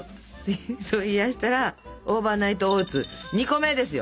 冷やしたらオーバーナイトオーツ２個目ですよ